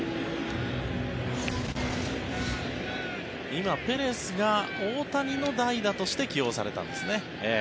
今、ペレスが大谷の代打として起用されたんですね。